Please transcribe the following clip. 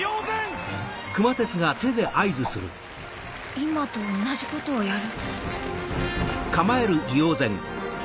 ・今と同じことをやる？